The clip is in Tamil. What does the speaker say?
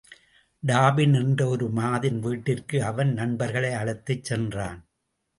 டாபின் என்ற ஒரு மாதின் வீட்டிற்கு அவன் நண்பர்களை அழைத்துச் சென்றான்.